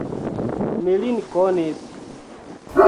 Mi lin konis.